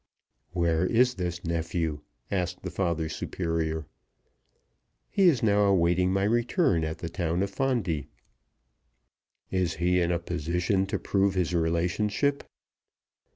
"Where is this nephew?" asked the father superior. "He is now awaiting my return at the town of Fondi." "Is he in a position to prove his relationship?"